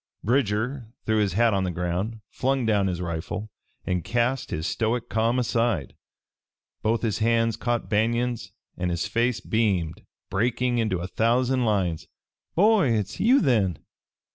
Bridger threw his hat on the ground, flung down his rifle and cast his stoic calm aside. Both his hands caught Banion's and his face beamed, breaking into a thousand lines. "Boy, hit's you, then!